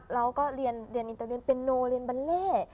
เราก็เรียนอินเตอร์เรียนเป็นโนเรียนบัลเล่